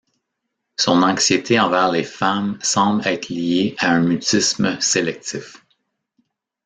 Son anxiété envers les femmes semble être liée à un mutisme sélectif.